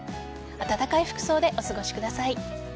暖かい服装でお過ごしください。